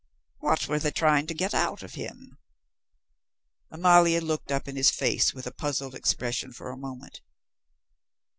"What were they trying to get out of him?" Amalia looked up in his face with a puzzled expression for a moment.